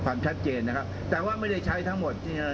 ความชัดเจนนะครับแต่ไม่ได้ใช้ทั้งหมด